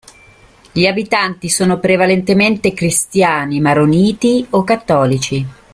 Gli abitanti sono prevalentemente cristiani maroniti o cattolici.